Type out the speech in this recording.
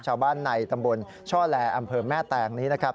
ชาวบ้านในตำบลช่อแลอำเภอแม่แตงนี้นะครับ